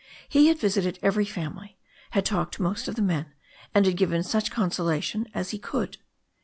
He had visited every family, had talked to most of the men, and had given such consolation as he could.